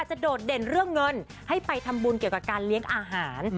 โดดเด่นเรื่องเงินให้ไปทำบุญเกี่ยวกับการเลี้ยงอาหาร